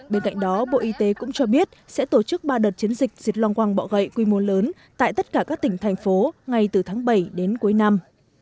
bên cạnh đó bộ y tế cũng cho biết sẽ tổ chức ba đợt chiến dịch diệt long quăng bọ gậy quy mô lớn tại tất cả các tỉnh thành phố ngay từ tháng bảy đến cuối năm